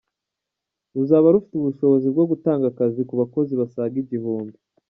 Ruzaba rufite ubushobozi bwo gutanga akazi ku bakozi basaga igihumbi.